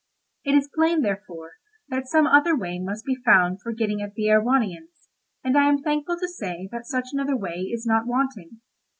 It is plain, therefore, that some other way must be found for getting at the Erewhonians, and I am thankful to say that such another way is not wanting.